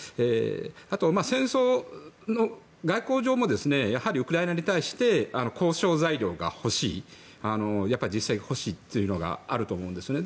あと、戦争の外交上もウクライナに対して交渉材料が欲しいというのがあると思うんですね。